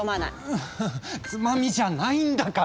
うんつまみじゃないんだから！